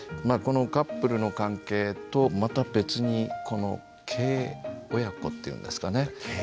このカップルの関係とまた別にこの継親子っていうんですかね。